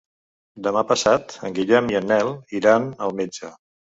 Demà passat en Guillem i en Nel iran al metge.